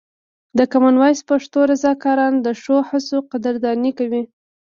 د کامن وایس پښتو رضاکاران د ښو هڅو قدرداني کوي.